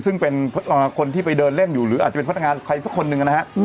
ซึ่งเป็นคนที่ไปเดินเล่นอยู่หรืออาจจะเป็นพนักงานใครสักคนหนึ่งนะฮะ